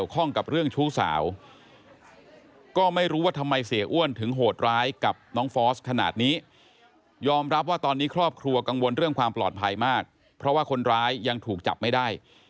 ยอมรับว่าตอนนี้ครอบครัวกังวลเรื่องความปลอดภัยมากเพราะว่าคนร้ายยังถูกจับไม่ได้